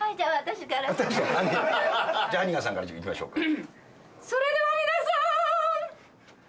じゃハニガンさんからいきましょうか。